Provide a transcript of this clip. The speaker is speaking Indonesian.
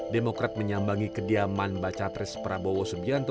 demokrat menyambangi kediaman bacatres prabowo subianto